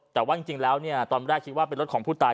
แต่ว่าจริงแล้วตอนแรกคิดว่าเป็นรถของผู้ตาย